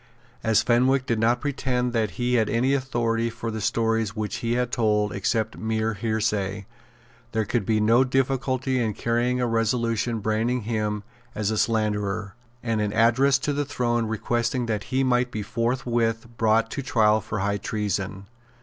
As Fenwick did not pretend that he had any authority for the stories which he had told except mere hearsay, there could be no difficulty in carrying a resolution branding him as a slanderer, and an address to the throne requesting that he might be forthwith brought to trial for high treason.